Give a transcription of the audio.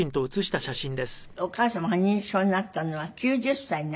でお母様が認知症になったのは９０歳になってから？